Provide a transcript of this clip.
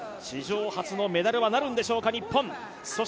史上初のメダルはなるんでしょうか、日本。